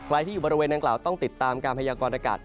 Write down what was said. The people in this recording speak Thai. ที่อยู่บริเวณนางกล่าวต้องติดตามการพยากรณากาศ